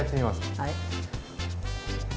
はい。